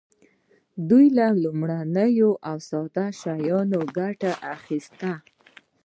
دوی له لومړنیو او ساده شیانو ګټه اخیسته.